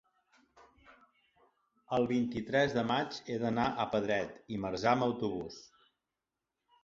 el vint-i-tres de maig he d'anar a Pedret i Marzà amb autobús.